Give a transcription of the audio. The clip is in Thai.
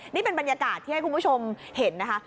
นี่เป็นบรรยากาศที่ให้คุณผู้ชมเห็นนะคะ